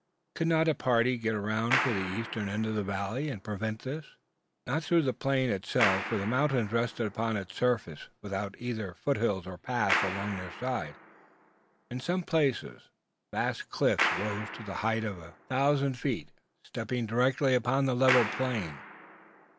Could not a party get round to the eastern end of the valley and prevent this? Not through the plain itself, for the mountains rested upon its surface, without either foothills or paths along their sides. In some places vast cliffs rose to the height of a thousand feet, stepping directly upon the level plain.